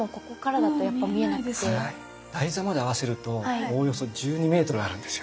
台座まで合わせるとおおよそ１２メートルあるんですよ。